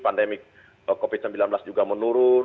pandemi covid sembilan belas juga menurun